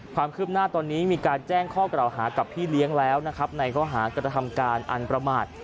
ความคืบหน้าตอนนี้มีการแจ้งข้อกล่าวหากับพี่เลี้ยงแล้วนะครับในข้อหากระทำการอันประมาท